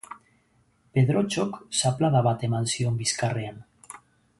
Pedrotxok zaplada bat eman zion bizkarrean.